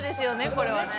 これはね。